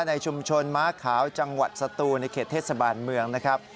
ในชุมชนม้าขาวจังหวัดสตูในเขตเทศบาลเมืองนะครับ